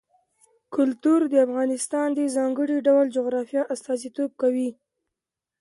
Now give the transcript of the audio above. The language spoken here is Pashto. کلتور د افغانستان د ځانګړي ډول جغرافیه استازیتوب کوي.